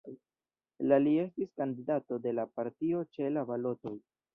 La li estis kandidato de la partio ĉe la balotoj.